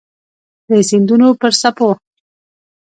د سیندونو پر څپو